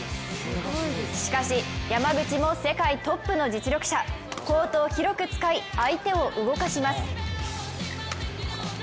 しかし、山口も世界トップの実力者コートを広く使い相手を動かします。